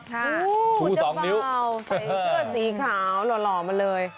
ค่ะชู้สองนิ้วจ้าบ่าวใส่เสื้อสีขาวหล่อมาเลย